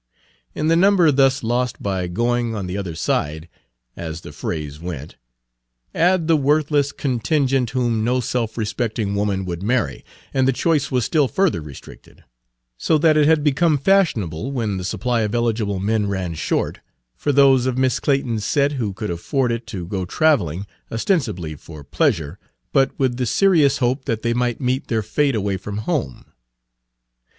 To the number thus lost by "going on the other side," as the phrase went, add the worthless contingent whom no self respecting woman would marry, and the choice was still further restricted; so that it had become fashionable, when the supply of eligible men ran short, for those of Miss Clayton's set who could afford it to go traveling, ostensibly for pleasure, but with the serious hope that they might meet their fate away from home.